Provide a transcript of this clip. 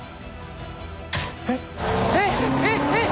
「えっ？えっ？えっ？えっ？」